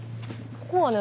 ここはね